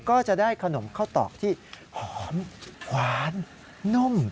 ก็จะได้ขนมข้าวตอกที่หอมหวานนุ่ม